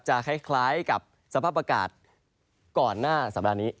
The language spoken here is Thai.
คล้ายกับสภาพอากาศก่อนหน้าสัปดาห์นี้